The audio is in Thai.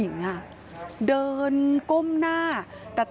กลัวเท่าไหร่หมาเจาะเจาะไป